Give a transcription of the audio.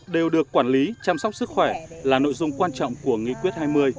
đều được quản lý chăm sóc sức khỏe là nội dung quan trọng của nghị quyết hai mươi